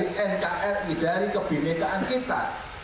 dari nkri dari kebinekaan kita